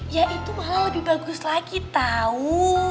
ya itu hal lebih bagus lagi tau